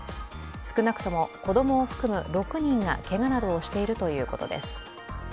少なくとも子供を含む６人がけがなどをしているということです。